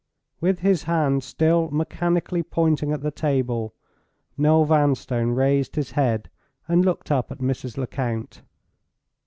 With his hand still mechanically pointing at the table Noel Vanstone raised his head and looked up at Mrs. Lecount.